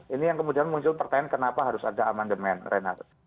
ini yang kemudian muncul pertanyaan kenapa harus ada amandemen renard